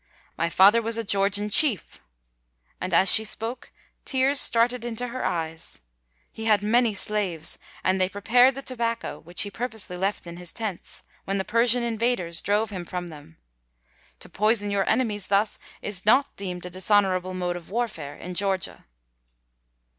"My father was a Georgian chief,"—and as she spoke, tears started into her eyes:—"he had many slaves, and they prepared the tobacco which he purposely left in his tents, when the Persian invaders drove him from them. To poison your enemies thus, is not deemed a dishonourable mode of warfare in Georgia."